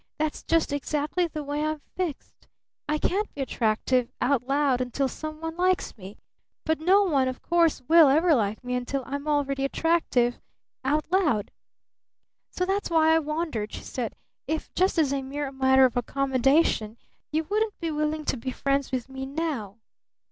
That's just exactly the way I'm fixed. I can't be attractive out loud until some one likes me! But no one, of course, will ever like me until I am already attractive out loud! So that's why I wondered," she said, "if just as a mere matter of accommodation, you wouldn't be willing to be friends with me now?